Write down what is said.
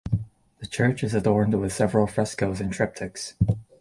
The Church is adorned with several frescoes and triptychs.